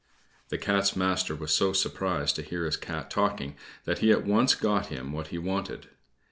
The Cat's master was so surprised to hear his Cat talking, that he at once got him what he wanted.